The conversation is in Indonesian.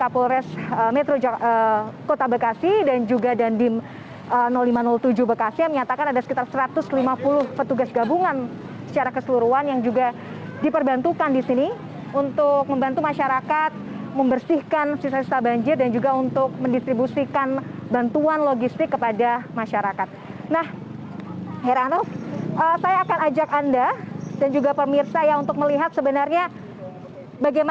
pondok gede permai jatiasi pada minggu pagi